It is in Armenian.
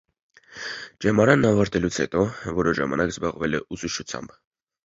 Ճեմարանն ավարտելուց հետո որոշ ժամանակ զբաղվել է ուսուցչությամբ։